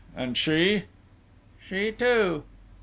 And she?" "She, too."